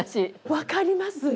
分かります！